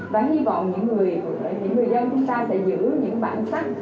và hy vọng những người dân chúng ta sẽ giữ những bản sắc